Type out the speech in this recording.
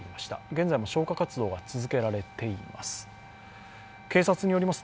現在も消火活動が続けられています。